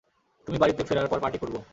তুমি বাড়িতে ফেরার পর পার্টি করবো।